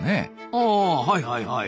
あはいはいはい。